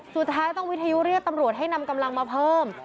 สุดท้ายต้องวิทยุเรียกตำรวจให้นำกำลังมาเพิ่ม